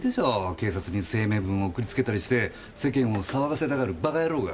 警察に声明文を送りつけたりして世間を騒がせたがるバカ野郎が。